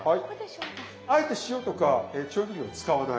あえて塩とか調味料使わない。